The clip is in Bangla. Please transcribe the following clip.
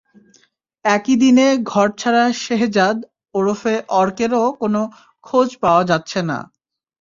একই দিনে ঘরছাড়া শেহজাদ ওরফে অর্কেরও কোনো খোঁজ পাওয়া যাচ্ছে না।